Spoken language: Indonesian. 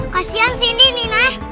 kasian cindy nih